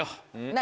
何？